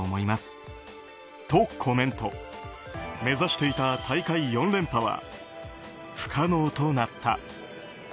目指していた大会４連覇は不可能となった。